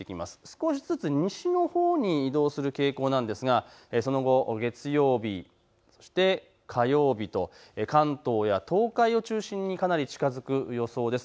少しずつ西のほうに移動する傾向なんですがその後、月曜日そして火曜日と関東や東海を中心にかなり近づく予想です。